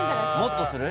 もっとする？